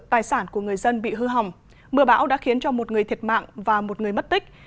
tài sản của người dân bị hư hỏng mưa bão đã khiến cho một người thiệt mạng và một người mất tích